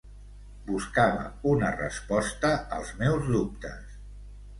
Buscava una resposta als meus dubtes.